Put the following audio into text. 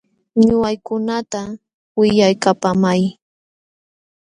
Ñuqaykunata willaykapaamay.